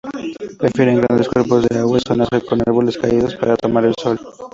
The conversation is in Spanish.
Prefieren grandes cuerpos de agua y zonas con árboles caídos para tomar el sol.